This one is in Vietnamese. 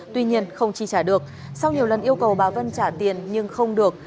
tuy nhiên không chi trả được sau nhiều lần yêu cầu bà vân trả tiền nhưng không được